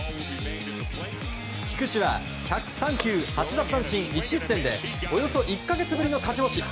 菊池は１０３球８奪三振１失点でおよそ１か月ぶりの勝ち星。